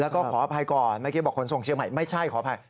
แล้วก็ขออภัยก่อนเมื่อกี้บอกขนส่งเชียงใหม่ไม่ใช่ขออภัย